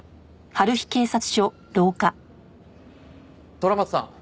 虎松さん。